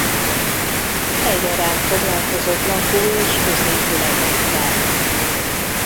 Egyaránt foglalkozott lakó- és középületekkel.